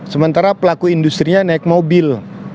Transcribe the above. sementara pelaku industri nya naik mobil